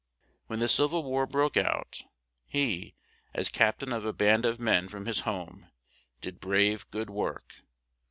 When the Civ il War broke out, he, as cap tain of a band of men from his home, did brave, good work.